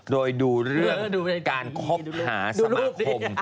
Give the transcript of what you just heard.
โดยดูเรื่องการคบหาสมาคม